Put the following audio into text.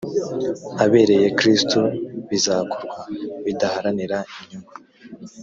abereye kristu bizakorwa bidaharanira inyungu